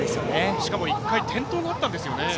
しかも一回転倒があったんですね。